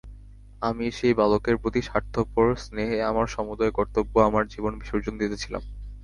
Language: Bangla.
আমি সেই বালকের প্রতি স্বার্থপর স্নেহে আমার সমুদয় কর্তব্য আমার জীবন বিসর্জন দিতেছিলাম।